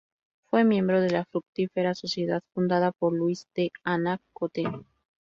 Fue miembro de la Fructífera Sociedad fundada por Luis I de Anhalt-Köthen.